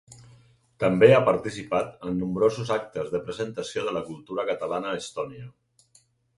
També ha participat en nombrosos actes de presentació de la cultura catalana a Estònia.